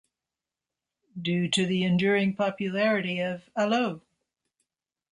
Due to the enduring popularity of 'Allo!